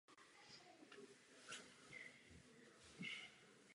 Po Druhém vatikánském koncilu je zde navíc ještě umístěn obětní stůl.